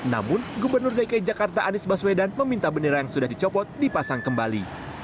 namun gubernur dki jakarta anies baswedan meminta bendera yang sudah dicopot dipasang kembali